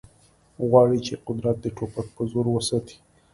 غواړي چې قدرت د ټوپک په زور وساتي